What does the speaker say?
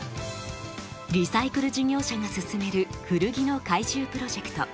リサイクル事業者が進める古着の回収プロジェクト。